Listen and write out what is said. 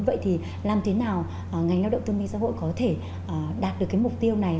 vậy thì làm thế nào ngành lao động tương minh xã hội có thể đạt được mục tiêu này